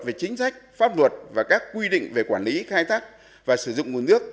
về chính sách pháp luật và các quy định về quản lý khai thác và sử dụng nguồn nước